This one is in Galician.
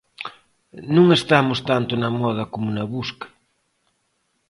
Non estamos tanto na moda como na busca.